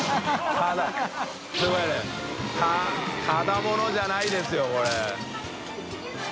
ただ者じゃないですよこれ。